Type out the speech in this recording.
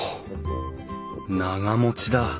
長持ちだ。